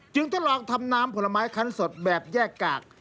ทดลองทำน้ำผลไม้คันสดแบบแยกกาก